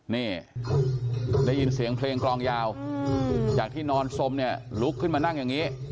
นี่ได้ยินเสียงเพลงกลองยาวจากที่นอนสมเนี่ยลุกขึ้นมานั่งอย่างนี้